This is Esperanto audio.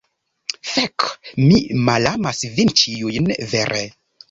Fek, mi malamas vin ĉiujn! Vere!